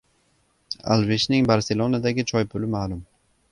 Alveshning “Barselona”dagi “choy puli” ma’lum